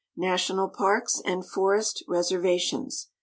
yationul Parka and Forest Resermtions.